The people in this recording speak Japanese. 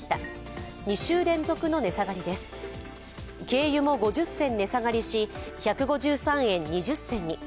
軽油も５０銭値下がりし１５３円２０銭に。